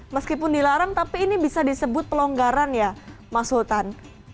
meskipun dilarang tapi ini bisa disebut pelonggaran ya mas sultan